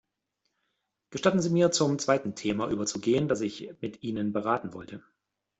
Gestatten Sie mir, zum zweiten Thema überzugehen, das ich mit Ihnen beraten wollte.